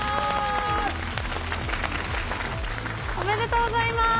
おめでとうございます。